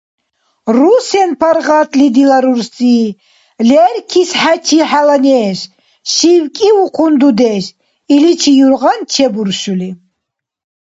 – Русен паргъатли, дила рурси, леркис хӀечи хӀела неш, – шивкӀивухъун дудеш, иличи юргъан чебуршули.